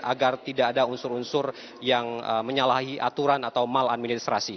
agar tidak ada unsur unsur yang menyalahi aturan atau maladministrasi